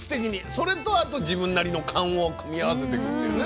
それとあと自分なりの勘を組み合わせてくっていうね。